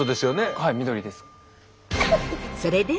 はい緑です。